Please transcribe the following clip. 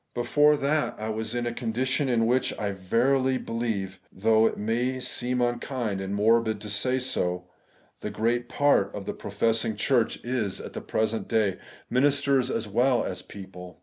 Before that, I was in a condition in which I verily be lieve (though it may seem unkind and morbid to say so) the great part of the professing church is at the present day, ministers as well as people.